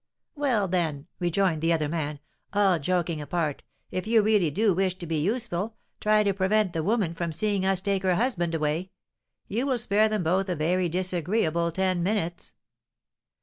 "Well, then," rejoined the other man, "all joking apart, if you really do wish to be useful, try to prevent the woman from seeing us take her husband away. You will spare them both a very disagreeable ten minutes!"